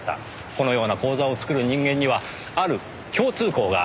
このような口座を作る人間にはある共通項があります。